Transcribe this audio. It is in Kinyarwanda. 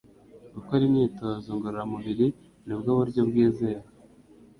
gukora imyitozo ngororamubiri nibwo buryo bwizewe